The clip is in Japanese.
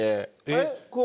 えっ！